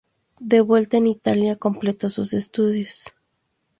De vuelta en Italia completó sus estudios.